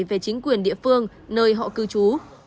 về chính quyền địa phương nơi họ cư trú